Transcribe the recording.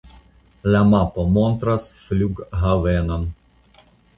La mapo montras flughavenon.